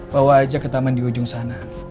bawa aja ke taman di ujung sana